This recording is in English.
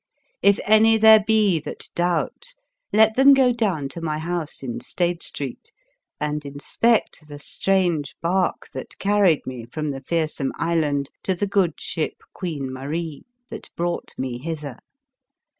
If any there be that doubt, let them go down to my house in Stade Street and inspect the strange barque that carried me from the Fearsome Island to the good ship Queen Marie that brought me hither.